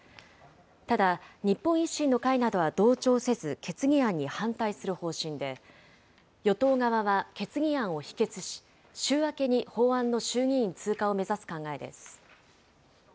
ただ、日本維新の会などは同調せず、決議案に反対する方針で、与党側は決議案を否決し、週明けに法案の衆議院通過を目指す考えです。